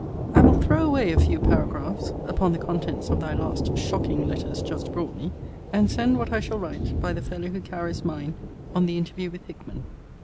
I will throw away a few paragraphs upon the contents of thy last shocking letters just brought me; and send what I shall write by the fellow who carries mine on the interview with Hickman.